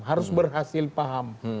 harus berhasil paham